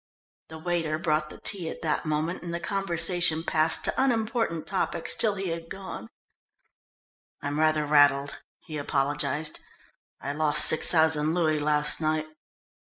The waiter brought the tea at that moment, and the conversation passed to unimportant topics till he had gone. "I'm rather rattled," he apologised. "I lost six thousand louis last night."